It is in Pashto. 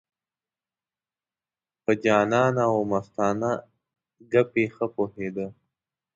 په جانانه او مستانه ګپې ښه پوهېده.